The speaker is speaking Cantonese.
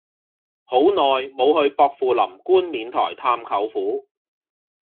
好耐無去薄扶林冠冕台探舅父